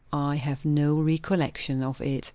"I have no recollection of it."